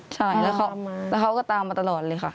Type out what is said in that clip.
ใช่แล้วเขาก็ตามมาตลอดเลยค่ะ